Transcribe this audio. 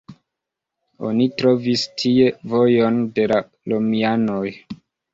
Oni trovis tie vojon de la romianoj.